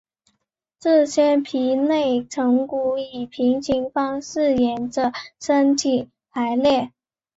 这些皮内成骨以平行方式沿者身体排列。